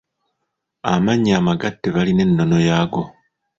Amannya amagatte balina ennono yaago.